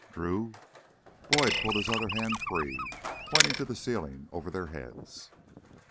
"Drew!" Boyd pulled his other hand free, pointing to the ceiling over their heads.